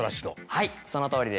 はいそのとおりです。